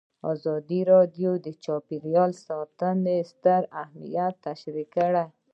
ازادي راډیو د چاپیریال ساتنه ستر اهميت تشریح کړی.